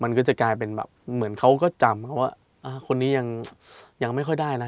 มันก็จะกลายเป็นแบบเหมือนเขาก็จำเขาว่าคนนี้ยังไม่ค่อยได้นะ